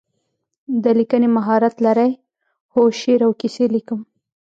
د لیکنې مهارت لرئ؟ هو، شعر او کیسې لیکم